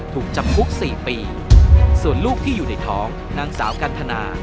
ถูกจำคุกสี่ปีส่วนลูกที่อยู่ในท้องนางสาวกันทนา